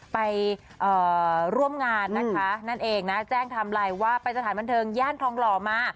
ไปร่วมงานนะคะนั่นเองนะแจ้งไทม์ไลน์ว่าไปสถานบันเทิงย่านทองหล่อมา